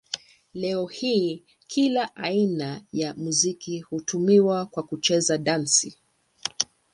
Leo hii kila aina ya muziki hutumiwa kwa kucheza dansi.